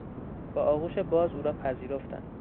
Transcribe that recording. با آغوش باز او را پذیرفتند.